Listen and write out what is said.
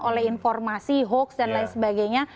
oleh informasi hoax dan lain sebagainya